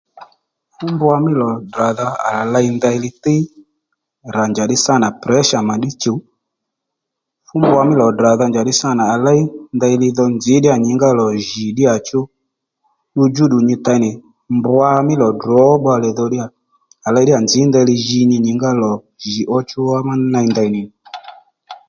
Fú mbwa mí lò tdràdha à rà ley ndeyli thíy rà njàddí sâ nà presha mà ddí chùw fú mbwa mí lò tdràdha njàddí sâ nà à ley ndeyli dho nzǐ ddíyà nyǐ ngá lò jì ddíyàchú ddu djúddù nyi tey nì mbwa mí lò drǒ bbalè dho ddíyà à ley ddiyà nzǐ ndeyli ji nyi nyǐngá lò jì ó chú wá ney ndèy nì nì